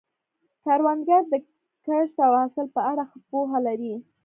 کروندګر د کښت او حاصل په اړه ښه پوهه لري